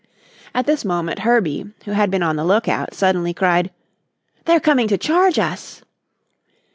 At this moment, Herbie, who had been on the lookout, suddenly cried: "They're coming to charge us."